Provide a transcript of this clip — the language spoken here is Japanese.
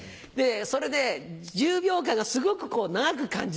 それで１０秒間がすごく長く感じるんです。